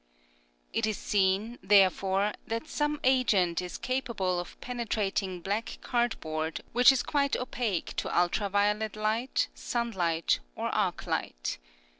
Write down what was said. It is seen, therefore, that some agent is capable of penetrating black cardboard which is quite opaque to ultra violet light, sunlight or arc light.